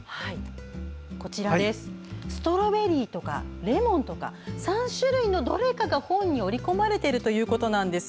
ストロベリーとかレモンとか３種類のどれかが本に折り込まれているんですよ。